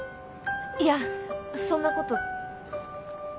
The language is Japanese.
いやそんなこと。